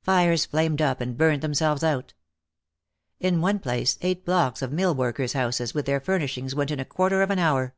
Fires flamed up and burned themselves out. In one place, eight blocks of mill workers' houses, with their furnishings, went in a quarter of an hour.